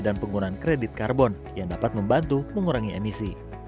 dan penggunaan kredit karbon yang dapat membantu mengurangi emisi